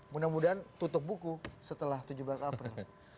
mudah mudahan tutup buku setelah tujuh belas april